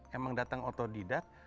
memang datang otodidak